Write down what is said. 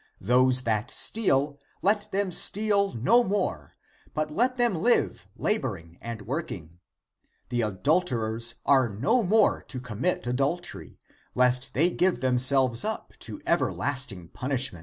Those that steal, let them steal no more, but let them live, laboring and working.^ The adulterers are no more to commit adultery, lest they give themselves up to everlasting punishment.